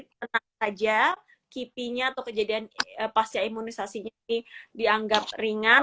tenang saja kipinya atau kejadian pasca imunisasinya ini dianggap ringan